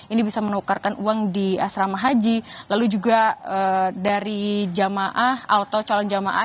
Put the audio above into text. ini bisa menukarkan uang di asrama haji lalu juga dari jamaah atau calon jamaah